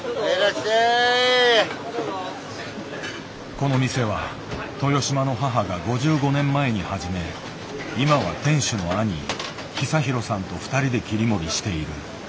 この店は豊島の母が５５年前に始め今は店主の兄久博さんと２人で切り盛りしている。